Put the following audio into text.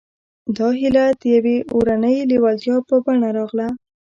دا هيله د يوې اورنۍ لېوالتيا په بڼه راغله.